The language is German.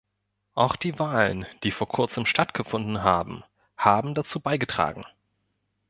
Auch die Wahlen, die vor Kurzem stattgefunden haben, haben dazu beigetragen.